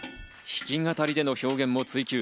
弾き語りでの表現も追求。